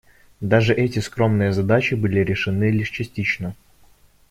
Даже эти скромные задачи были решены лишь частично.